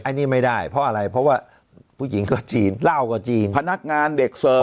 อันนี้ไม่ได้เพราะอะไรเพราะว่าผู้หญิงก็จีนเหล้าก็จีนพนักงานเด็กเสิร์ฟ